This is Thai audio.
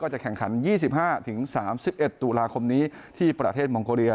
จะแข่งขัน๒๕๓๑ตุลาคมนี้ที่ประเทศมองโกเรีย